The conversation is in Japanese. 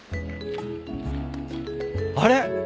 あれ？